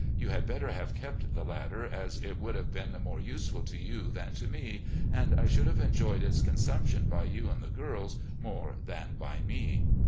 You had better have kept the latter, as it would have been more useful to you than to me, and I should have enjoyed its consumption by you and the girls more than by me.